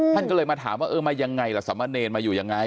ท่านก็เลยมาถามว่าเออมายังไงล่ะสมเนรมาอยู่ยังไง